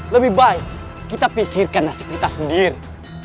lebih baik kita pikirkan nasib kita sendiri